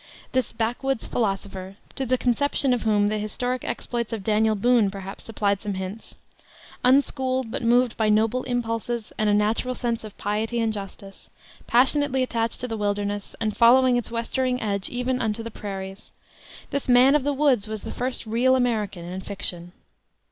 This backwoods philosopher to the conception of whom the historic exploits of Daniel Boone perhaps supplied some hints; unschooled, but moved by noble impulses and a natural sense of piety and justice; passionately attached to the wilderness, and following its westering edge even unto the prairies this man of the woods was the first real American in fiction.